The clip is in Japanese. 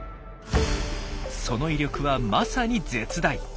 その威力はまさに絶大。